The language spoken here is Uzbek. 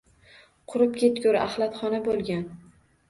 Qurib ketgur axlatxona bo‘lgan.